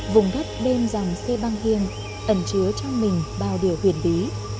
vùng đất đêm dằm xê băng hiêng ẩn chứa trong mình bao điều huyền bí